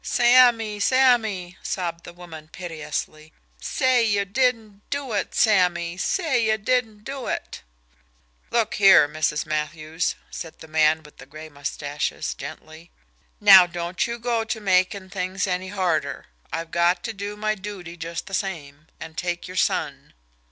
"Sammy! Sammy!" sobbed the woman piteously. "Say you didn't do it, Sammy say you didn't do it!" "Look here, Mrs. Matthews," said the man with the gray mustaches gently, "now don't you go to making things any harder. I've got to do my duty just the same, and take your son."